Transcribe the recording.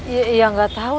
ya nggak tau